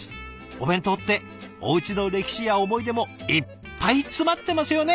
お弁当っておうちの歴史や思い出もいっぱい詰まってますよね！